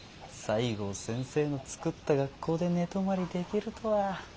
西郷先生の作った学校で寝泊まりできるとは。